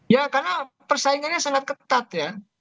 ya karena persaingannya sangat ketat ya